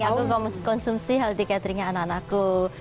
aku konsumsi healthy cateringnya anak anakku